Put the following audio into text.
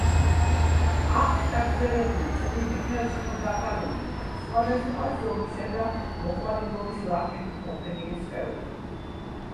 აქვთ წაგრძელებული, წვრილი ქერცლით დაფარული, სხვადასხვა ზომისა და მოყვანილობის ლაქებით მოფენილი სხეული.